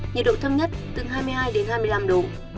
nhiệt độ thấp nhất từ hai mươi hai đến hai mươi năm độ